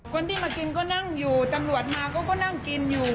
คนที่มากินก็นั่งอยู่ตำรวจมาก็นั่งกินอยู่